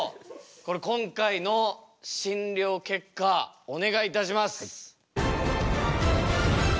これ今回の診療結果お願いいたします。